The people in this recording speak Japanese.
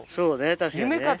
確かにね。